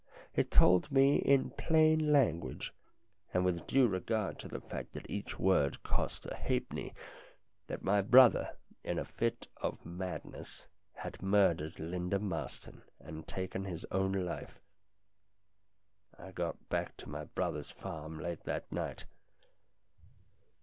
It told me in plain language, and with due regard to the fact that each word cost a halfpenny, that my brother, in a fit of madness, had murdered Linda Marston and taken his own life. I got back to my brother's farm late that night.